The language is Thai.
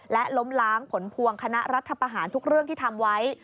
และล้มล้างผลพวงคณะรัฐประหารทุกเรื่องที่ทำไว้